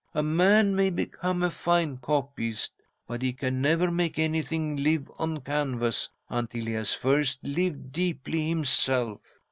A man may become a fine copyist, but he can never make anything live on canvas until he has first lived deeply himself.